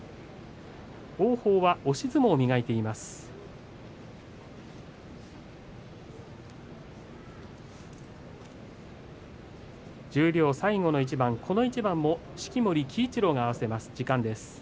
王鵬は押し相撲を磨いています。